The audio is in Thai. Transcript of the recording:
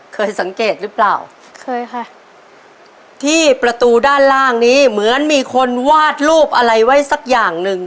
เคยสังเกตหรือเปล่าเคยค่ะที่ประตูด้านล่างนี้เหมือนมีคนวาดรูปอะไรไว้สักอย่างหนึ่ง